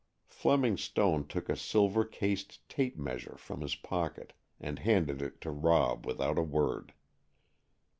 Fleming Stone took a silver cased tape measure from his pocket, and handed it to Rob without a word.